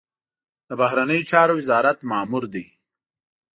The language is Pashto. د بهرنیو چارو وزارت مامور دی.